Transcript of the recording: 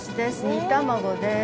煮卵です